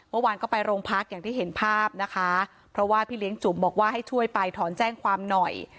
เมื่อวานก็ไปโรงพักอย่างที่เห็นภาพนะคะเพราะว่าพี่เลี้ยงจุ๋มบอกว่าให้ช่วยไปถอนแจ้งความหน่อย